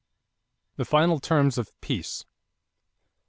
=The Final Terms of Peace.